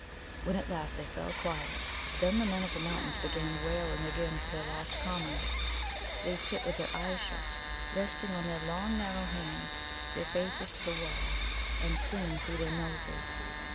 When at last they fell quiet, then the Men of the Mountains began wailing again for their lost comrades. They sit with their eyes shut, resting on their long narrow hands, their faces to the wall, and sing through their noses.